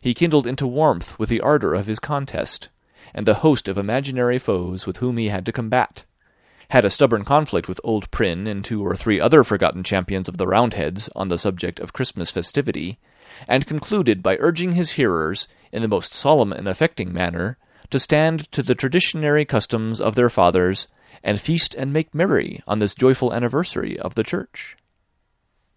He kindled into warmth with the ardour of his contest, and the host of imaginary foes with whom he had to combat; had a stubborn conflict with old Prynne and two or three other forgotten champions of the Round heads, on the subject of Christmas festivity; and concluded by urging his hearers, in the most solemn and affecting manner, to stand to the traditionary customs of their fathers, and feast and make merry on this joyful anniversary of the Church.